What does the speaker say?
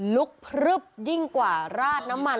ลุกพลึบยิ่งกว่าราดน้ำมัน